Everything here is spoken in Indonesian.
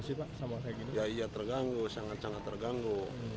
ya terganggu sangat sangat terganggu